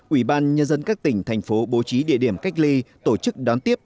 ủy ban nhân dân các tỉnh thành phố bố trí địa điểm cách ly tổ chức đón tiếp